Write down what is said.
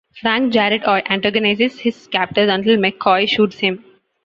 Frank Jarrett antagonizes his captors until McCoy shoots him.